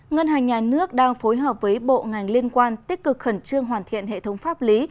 ngân hàng nhà nước đang phối hợp với bộ ngành liên quan tích cực khẩn trương hoàn thiện hệ thống pháp lý